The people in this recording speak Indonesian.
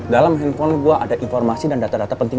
dalam handphone gue ada informasi dan data data penting